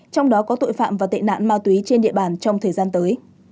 trong đó có tội phạm và tệ nạn ma túy trên địa bàn trong thời gian tới